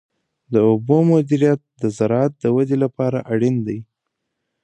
د اوبو مدیریت د زراعت د ودې لپاره اړین دی.